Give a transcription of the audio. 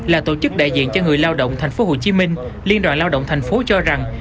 là tổ chức đại diện cho người lao động thành phố hồ chí minh liên đoàn lao động thành phố cho rằng